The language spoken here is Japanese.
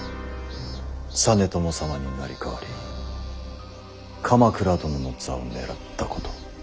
実朝様に成り代わり鎌倉殿の座を狙ったこと。